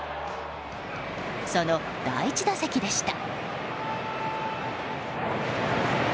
その第１打席でした。